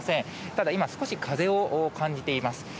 ただ今、少し風を感じています。